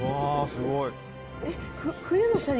すごい！